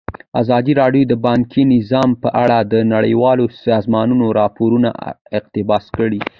ازادي راډیو د بانکي نظام په اړه د نړیوالو سازمانونو راپورونه اقتباس کړي.